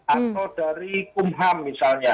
yang akan diungkapkan dari kumham misalnya